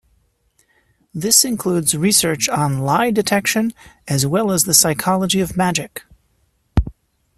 This includes research on lie-detection as well as the psychology of magic.